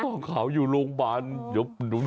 ตองขาวอยู่โรงพยาบาล